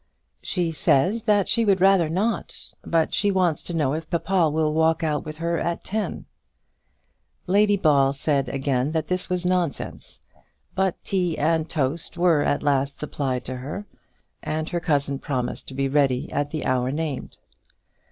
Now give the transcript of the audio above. "She says she would rather not; but she wants to know if papa will walk out with her at ten." Lady Ball again said that this was nonsense, but tea and toast were at last supplied to her, and her cousin promised to be ready at the hour named.